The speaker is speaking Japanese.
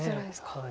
はい。